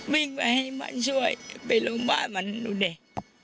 วิ่งไปให้มันช่วยไปลงบ้านมันดูเห้ย